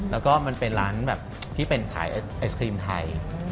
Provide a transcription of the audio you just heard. แล้วก็มันเป็นร้านแบบที่เป็นขายไอศครีมไทย